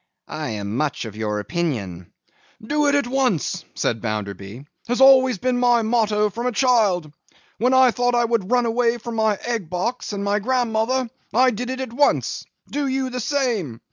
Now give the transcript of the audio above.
'I am much of your opinion.' 'Do it at once,' said Bounderby, 'has always been my motto from a child. When I thought I would run away from my egg box and my grandmother, I did it at once. Do you the same.